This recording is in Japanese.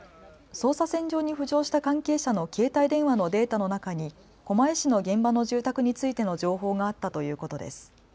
捜査線上に浮上した関係者の携帯電話のデータの中に狛江市の現場の住宅についての情報があったということです。